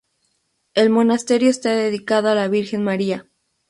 El monasterio está dedicado a la Virgen María.